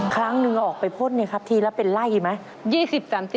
ครั้งหนึ่งออกไปพ่นเนี่ยครับทีละเป็นไร่ไหม